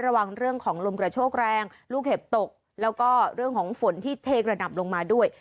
ระวังเรื่องของลมกระโชกแรงลูกเห็บตกแล้วก็เรื่องของฝนที่เทกระหน่ำลงมาด้วย